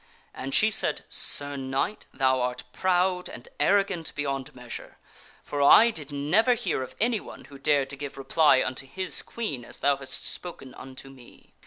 And she said, " Sir Knight, thou art proud and arrogant be SSI? GAWAINE DEPARTS FROM COURT 243 yond measure, for I did never hear of anyone who dared to give reply unto his Queen as thou hast spoken unto me.